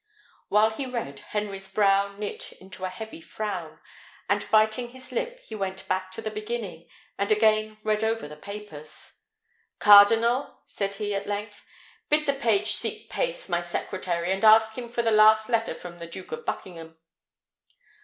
While he read, Henry's brow knit into a heavy frown, and, biting his lip, he went back to the beginning, and again read over the papers. "Cardinal," said he, at length, "bid the page seek Pace, my secretary, and ask him for the last letter from the Duke of Buckingham."